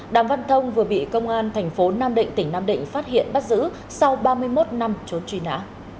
đàm văn thông vừa bị công an thành phố nam định tỉnh nam định phát hiện bắt giữ sau ba mươi một năm trốn truy nã